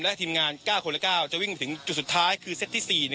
และทีมงานก้าวคนละเก้าจะวิ่งถึงจุดสุดท้ายคือเซตที่สี่นะ